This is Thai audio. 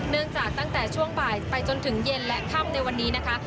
ตั้งแต่ตั้งแต่ช่วงบ่ายไปจนถึงเย็นและค่ำในวันนี้นะคะ